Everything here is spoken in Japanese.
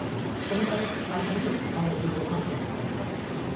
その間に時間の順序関係はないわけですね。